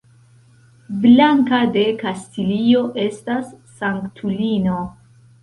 Blanka de Kastilio estas sanktulino.